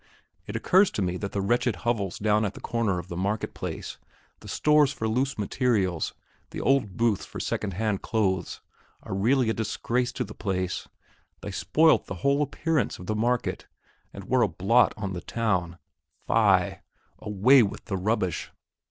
It occurs to me that the wretched hovels down at the corner of the market place, the stores for loose materials, the old booths for second hand clothes, are really a disgrace to the place they spoilt the whole appearance of the market, and were a blot on the town, Fie! away with the rubbish!